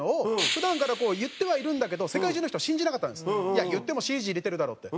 いやいってもＣＧ入れてるだろって。